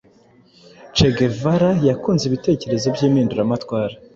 che guevara yakunze ibitekerezo by’impinduramatwara